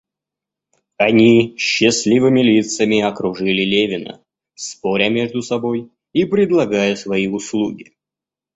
Они с счастливыми лицами окружили Левина, споря между собой и предлагая свои услуги.